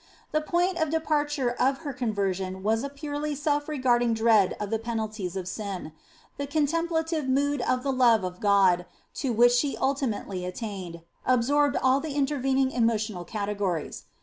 The point of departure of her conversion was a purely self regarding dread of the penalties of sin : the contemplative mood of the love of xxvi INTRODUCTION God, to which she ultimately attained, absorbed all the intervening emotional categories.